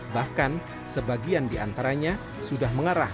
bahkan sebagian di antaranya sudah mengarah